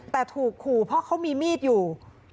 แต่ถูกขู่เพราะเขามีมีดอยู่